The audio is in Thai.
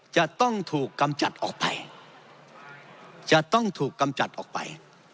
จะต้องถูกกำจัดออกไป